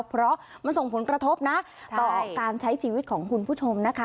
เพราะมันส่งผลกระทบนะต่อการใช้ชีวิตของคุณผู้ชมนะคะ